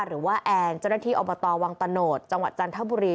หรือว่าแอลล์เจ้าหน้าที่อบตวังตะโนธจังหวัดจันทบุรี